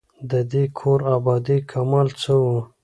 د دې کور آبادۍ کمال څه وو.